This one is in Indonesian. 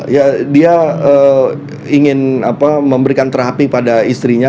ya dia ingin memberikan terapi pada istrinya